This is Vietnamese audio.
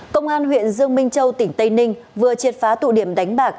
công an huyện dương minh châu tỉnh tây ninh vừa triệt phá tụ điểm đánh bạc